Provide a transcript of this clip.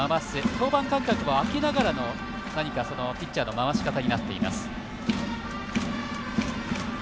登板間隔をあけながらの何かピッチャーの回し方になっています。